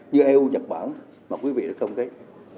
như eu nhật bản mọi quý vị đã không thấy